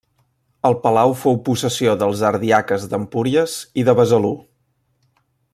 El palau fou possessió dels ardiaques d'Empúries i de Besalú.